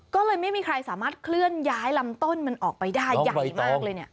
ก็เลยไม่มีใครสามารถเคลื่อนย้ายลำต้นมันออกไปได้ใหญ่มากเลยเนี่ย